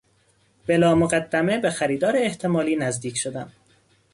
بلامقدمه به خریدار احتمالی نزدیک شدن